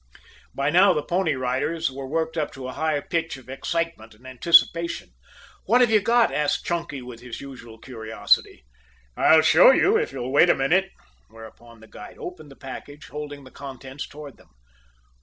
By now the Pony Riders were worked up to a high pitch of excitement and anticipation. "What have you got?" asked Chunky, with his usual curiosity. "I'll show you if you'll wait a minute," whereupon the guide opened the package, holding the contents toward them.